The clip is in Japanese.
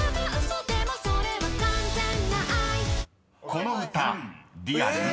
［この歌リアル？